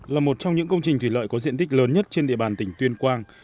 là một trong những công trình thủy lợi có diện tích lớn nhất trên địa bàn tỉnh tuyên quang